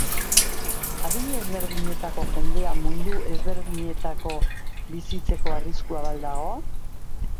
Adin ezberdinetako jendea mundu ezberdinetako bizitzeko arriskua ba al dago?